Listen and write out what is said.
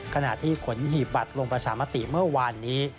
ขณะที่ขนหีบบัตรลงประชามติเมื่อวานนี้